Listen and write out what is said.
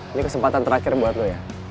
ini kesempatan terakhir buat lo ya